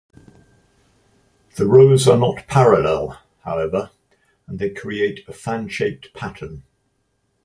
The rows are not parallel, however, and they create a fan-shaped pattern.